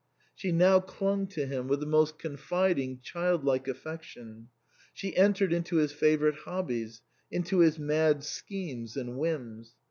She now clung to him with the most confiding childlike affection ; she entered into his favourite hobbies — into his mad schemes and whims.